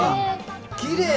きれい！